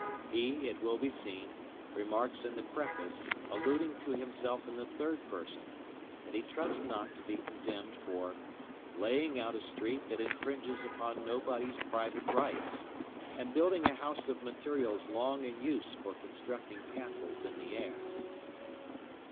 He, it will be seen, remarks in the Preface, alluding to himself in the third person, that he trusts not to be condemned for "laying out a street that infringes upon nobody's private rights... and building a house of materials long in use for constructing castles in the air."